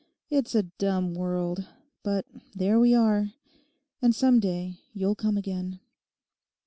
'It's a dumb world: but there we are. And some day you'll come again.